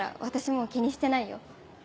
もう気にしてないよ。